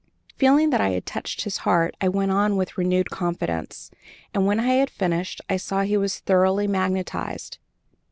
Feeling that I had touched his heart I went on with renewed confidence, and, when I had finished, I saw he was thoroughly magnetized.